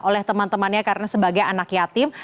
oleh teman temannya karena sebagai anak yatim